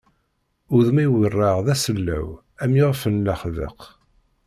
Udem-iw werraɣ d asellaw am yixef n laḥbeq.